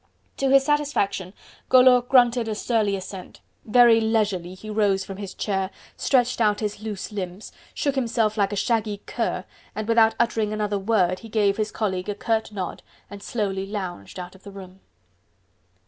To his satisfaction, Collot grunted a surly assent. Very leisurely he rose from his chair, stretched out his loose limbs, shook himself like a shaggy cur, and without uttering another word he gave his colleague a curt nod, and slowly lounged out of the room.